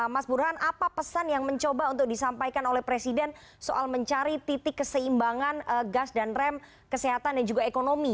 mas burhan apa pesan yang mencoba untuk disampaikan oleh presiden soal mencari titik keseimbangan gas dan rem kesehatan dan juga ekonomi